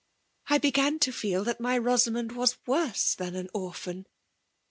I began to feel that my Bxna mond was worse than an orphan.